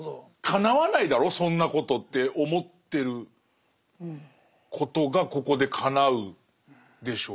かなわないだろそんなことって思ってることがここでかなうんでしょうね。